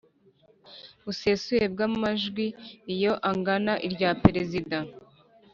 busesuye bw amajwi Iyo angana irya Perezida